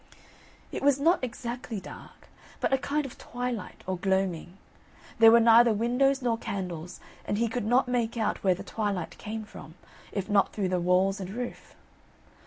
It was not exactly dark, but a kind of twilight or gloaming. There were neither windows nor candles, and he could not make out where the twilight came from, if not through the walls and roof.